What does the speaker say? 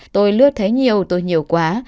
tôi lướt thấy nhiều tôi nhiều quá